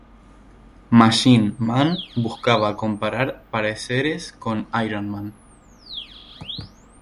Machine Man buscaba comparar pareceres con Iron Man.